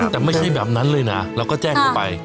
แต่ไม่ใช่แบบนั้นเลยนะเราก็แจ้งเขาไป